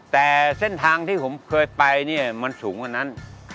แต่เส้นทางที่ผมเคยไปเนี่ยมันสูงกว่านั้น